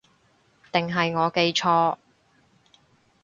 定係我記錯